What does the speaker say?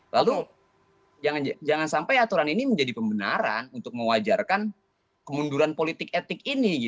lalu jangan sampai aturan ini menjadi pembenaran untuk mewajarkan kemunduran politik etik ini